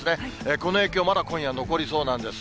この影響、まだ今夜残りそうなんです。